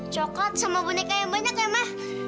coklat sama boneka yang banyak ya mak